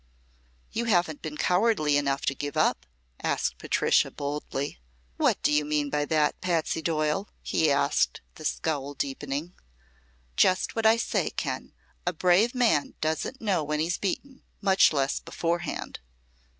"You haven't been cowardly enough to give up?" asked Patricia, boldly. "What do you mean by that, Patsy Doyle?" he asked, the scowl deepening. "Just what I say, Ken. A brave man doesn't know when he's beaten, much less beforehand."